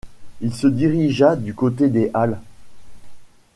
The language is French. Il se dirigea du côté des halles.